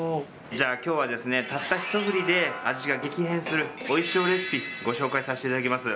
じゃあきょうはですねたったひと振りで味が激変する追い塩レシピご紹介させて頂きます。